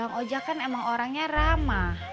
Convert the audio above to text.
bang ojek kan emang orangnya ramah